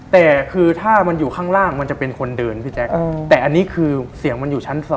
แต่คือถ้ามันอยู่ข้างล่างมันจะเป็นคนเดินพี่แจ๊คแต่อันนี้คือเสียงมันอยู่ชั้น๒